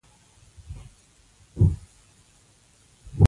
تاسې ښوونځي ته ځئ.